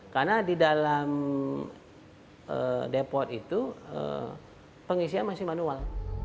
karena di dalam depot itu pengisian masih manual